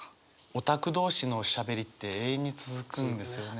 オタク同士のおしゃべりって永遠に続くんですよね。